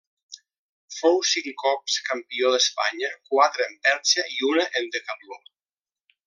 Fou cinc cops campió d'Espanya, quatre en perxa i una en decatló.